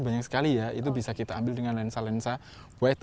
banyak sekali ya itu bisa kita ambil dengan lensa lensa white